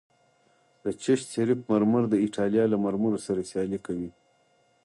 د چشت شریف مرمر د ایټالیا له مرمرو سره سیالي کوي